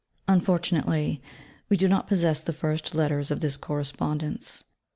Unfortunately we do not possess the first Letters of this correspondence.